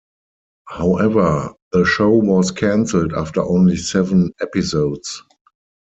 However, the show was canceled after only seven episodes.